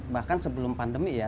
bahkan sebelum pandemi ya